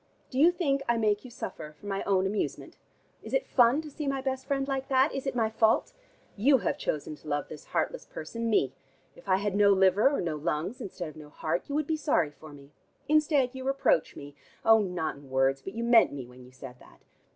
Do you think I make you suffer for my own amusement? Is it fun to see my best friend like that? Is it my fault? You have chosen to love this heartless person, me. If I had no liver, or no lungs, instead of no heart, you would be sorry for me. Instead you reproach me. Oh, not in words, but you meant me, when you said that.